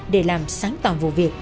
để làm sáng tỏa vụ việc